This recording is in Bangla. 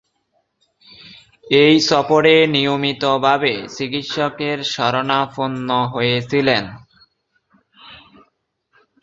এ সফরে নিয়মিতভাবে চিকিৎসকের শরণাপন্ন হয়েছিলেন।